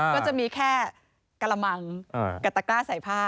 ก็จะมีแค่กระมังกับตะกร้าใส่ผ้า